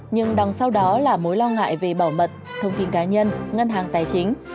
nhưng đằng sau đó là mối lo ngại về bảo mật thông tin cá nhân ngân hàng tài chính